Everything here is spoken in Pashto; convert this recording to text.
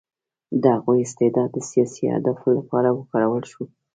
د هغوی استعداد د سیاسي اهدافو لپاره وکارول شو